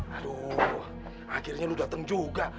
aduh akhirnya lu datang juga